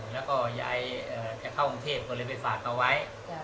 แล้วก็เจ้าเข้าองค์เทพก็เลยไปฝากเขาไว้